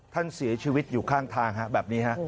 ท่านเสียชีวิตอยู่ข้างทางแบบนี้ฮะ